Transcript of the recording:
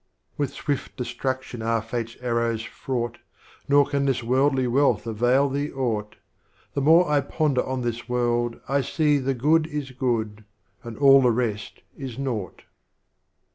XI. With Swift Destruction are Fate's Arrows fraught. Nor can this Worldly Wealth avail Thee aught. The more I ponder on this World I see The Good is Good, and all the rest is Naught.